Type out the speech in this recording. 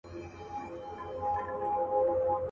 د جهاني عمر به وروسته نذرانه دروړمه.